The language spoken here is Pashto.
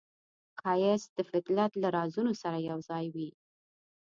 ښایست د فطرت له رازونو سره یوځای وي